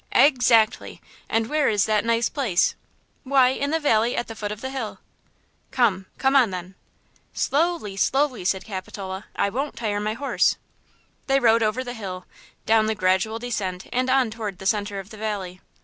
"Ex actly; and where is that nice place?" "Why, in the valley at the foot of the hill." "Come–come on, then." "Slowly, slowly," said Capitola; "I won't tire my horse." They rode over the hill, down the gradual descent and on toward the center of the valley.